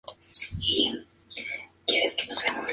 Además en las fachadas más expuestas a la luz solar posee parasoles.